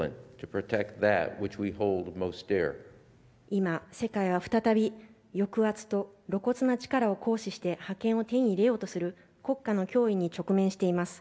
今、世界は再び抑圧と露骨な力を行使して覇権を手に入れようとする国家の脅威に直面しています。